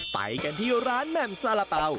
ไปกันที่ร้านแหม่มซาระเป๋า